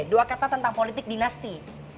dua kata tentang politik dinasti